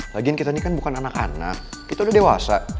lagian kita ini kan bukan anak anak kita udah dewasa